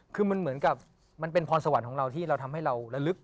คือมันเหมือนกับมันเป็นพรสวรรค์ของเราที่เราทำให้เราระลึก